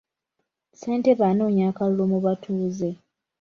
Ssentebe anoonya akalulu mu batuuze.